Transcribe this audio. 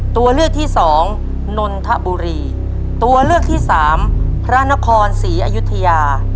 ตัวเลือกที่สองนนทบุรีตัวเลือกที่สามพระนครศรีอยุธยา